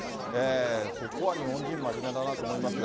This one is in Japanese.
そこは日本人、真面目だなと思いますが。